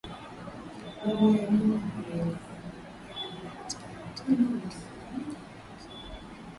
Mamia ya waandamanaji waliingia kwenye mitaa yote ya Khartoum na mji wake